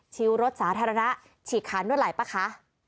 ชิ้วรถสาธารณะฉีกคันด้วยหลายป่าคะ